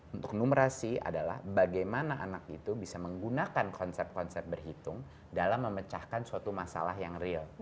untuk numerasi adalah bagaimana anak itu bisa menggunakan konsep konsep berhitung dalam memecahkan suatu masalah yang real